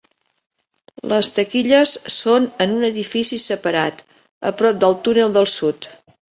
Les taquilles són en un edifici separat a prop del túnel del sud.